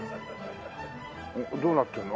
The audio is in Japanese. どうなってんの？